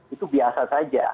itu biasa saja